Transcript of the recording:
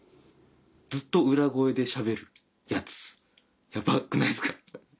ずっと裏声でしゃべるヤツヤバくないですか？